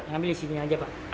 yang ambil isinya aja pak